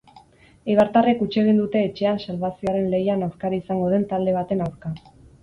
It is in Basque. Eibartarrek huts egin dute etxean salbazioaren lehian aurkari izango den talde baten aurka.